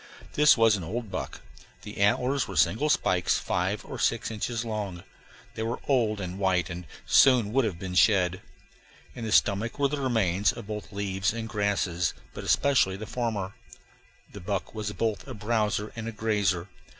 This was an old buck. The antlers were single spikes, five or six inches long; they were old and white and would soon have been shed. In the stomach were the remains of both leaves and grasses, but especially the former; the buck was both a browser and grazer.